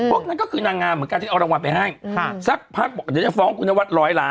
ว่าผิดสัญญา